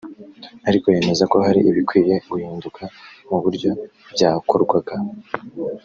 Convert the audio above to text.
ariko yemera ko hari ibikwiye guhinduka mu buryo byakorwaga